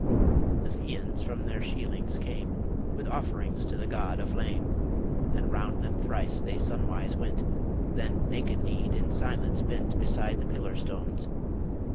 The Fians from their sheilings came, With offerings to the god a flame, And round them thrice they sun wise went; Then naked kneed in silence bent Beside the pillar stones